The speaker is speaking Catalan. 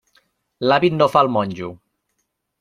L'hàbit no fa el monjo.